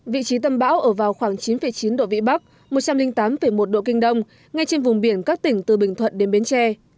vị trí tâm bão ở vào khoảng chín chín độ vĩ bắc một trăm linh tám một độ kinh đông ngay trên vùng biển các tỉnh từ bình thuận đến bến tre